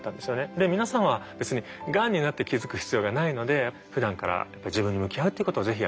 で皆さんは別にがんになって気付く必要がないので普段から自分に向き合うっていうことをぜひやって頂きたい。